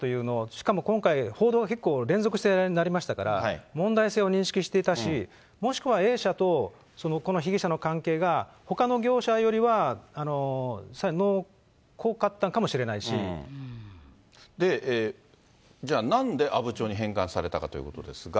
しかも今回、報道が結構連続してなりましたから、問題性を認識していたし、もしくはＡ社とこの被疑者の関係がほかの業者よりはこかったのかで、じゃあ、なんで阿武町に返還されたかということなんですが。